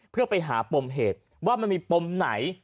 เพื่อไปหาปมเหตุว่ามันมีปมไหน